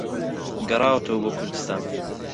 گەڕاوەتەوە بۆ کوردوستان